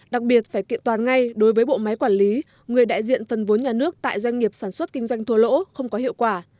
đặc biệt phải kiện toàn ngay đối với bộ máy quản lý người đại diện phần vốn nhà nước tại doanh nghiệp sản xuất kinh doanh thua lỗ không có hiệu quả